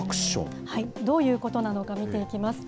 どういうことなのか見ていきます。